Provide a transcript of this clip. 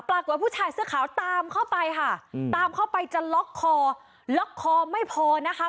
ผู้ชายเสื้อขาวตามเข้าไปค่ะตามเข้าไปจะล็อกคอล็อกคอไม่พอนะคะ